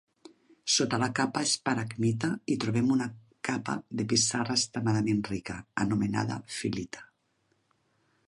Sota la capa de esparagmita, hi trobem una capa de pissarra extremadament rica, anomenada fil·lita.